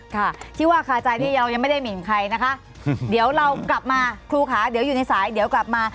ค่ะที่ว่าคาใจที่เรายังไม่ได้หมินใครนะคะเดี๋ยวเรากลับมาครูค่ะเดี๋ยวอยู่ในสายเดี๋ยวกลับมา